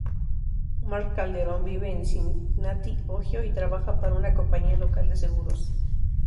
Mark Calderon vive en Cincinnati, Ohio y trabaja para una compañía local de seguros.